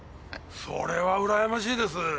それはうらやましいです！だろう？